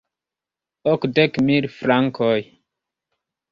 Okdek mil frankoj?